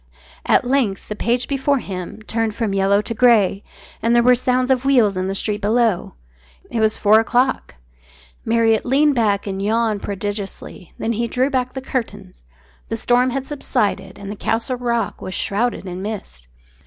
At length the page before him turned from yellow to grey, and there were sounds of wheels in the street below. It was four o'clock. Marriott leaned back and yawned prodigiously. Then he drew back the curtains. The storm had subsided and the Castle Rock was shrouded in mist.